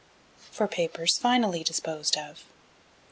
_For Papers finally disposed of.